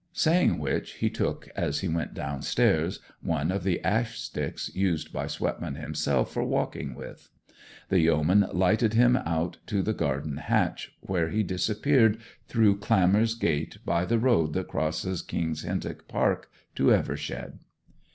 Saying which, he took, as he went downstairs, one of the ash sticks used by Swetman himself for walking with. The yeoman lighted him out to the garden hatch, where he disappeared through Clammers Gate by the road that crosses King's Hintock Park to Evershead.